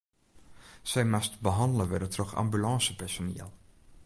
Sy moast behannele wurde troch ambulânsepersoniel.